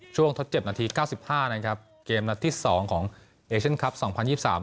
ช่วงทดเจ็บนาทีเก้าสิบห้านะครับเกมนาทีสองของเอเชนครับสองพันยี่สาม